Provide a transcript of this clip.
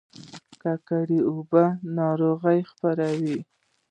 ککړې اوبه ناروغي خپروي